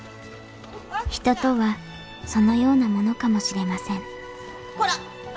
人とはそのようなものかもしれませんこら！